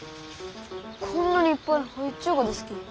こんなにいっぱい生えちゅうがですき。